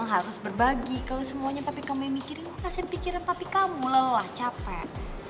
emang harus berbagi kalo semuanya papi kamu yang mikirin lo kasihin pikiran papi kamu lelah capek